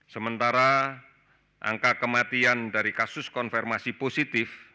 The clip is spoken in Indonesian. sementara angka kematian dari kasus konfirmasi positif